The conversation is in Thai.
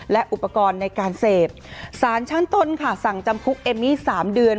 และอุปกรณ์ในการเสพสารชั้นต้นค่ะสั่งจำคุกเอมมี่๓เดือน